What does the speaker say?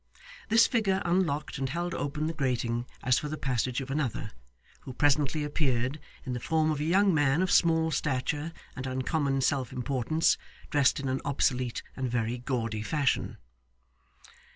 This figure unlocked and held open the grating as for the passage of another, who presently appeared, in the form of a young man of small stature and uncommon self importance, dressed in an obsolete and very gaudy fashion.